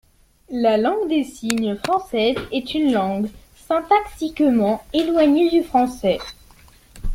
La Langue des Signes Française est une langue syntaxiquement éloignée du français.